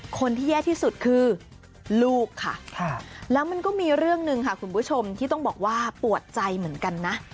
คนที่แย่ที่สุดคือลูกค่ะแล้วมันก็มีเรื่องหนึ่งค่ะคุณผู้ชมที่ต้องบอกว่าปวดใจเหมือนกันนะ